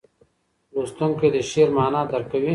لوستونکی د شعر معنا درک کوي.